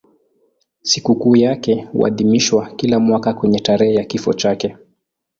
Sikukuu yake huadhimishwa kila mwaka kwenye tarehe ya kifo chake.